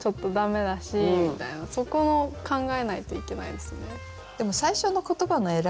そこを考えないといけないですね。